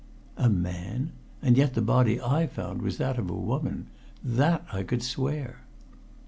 A man! And yet the body I found was that of a woman that I could swear.